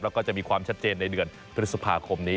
แล้วก็จะมีความชัดเจนในเดือนพฤษภาคมนี้